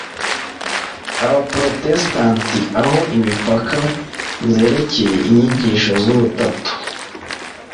Abaporotesitanti aho impaka zerekeye inyigisho z’Ubutatu